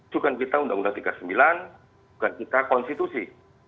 bukan kita undang undang tiga puluh sembilan bukan kita konstitusi